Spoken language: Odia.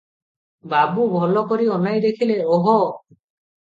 ବାବୁ ଭଲ କରି ଅନାଇ ଦେଖିଲେ, ‘ଓହୋ!